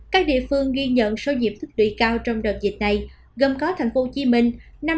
các địa phương ghi nhận số nhiễm thức đủy cao trong đợt dịch này gồm có thành phố hồ chí minh năm trăm một mươi bốn năm trăm ba mươi ba